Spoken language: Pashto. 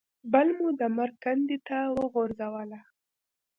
بله مو د مرګ کندې ته وغورځوله.